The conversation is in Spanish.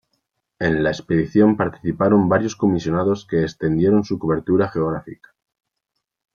En la expedición participaron varios comisionados que extendieron su cobertura geográfica.